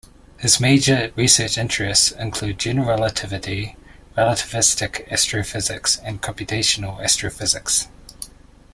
His major research interests include general relativity, relativistic astrophysics, and computational astrophysics.